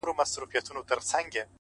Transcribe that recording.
ستا د خنداوو ټنگ ټکور; په سړي خوله لگوي;